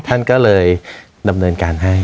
ท่านก็เลยดำเนินการให้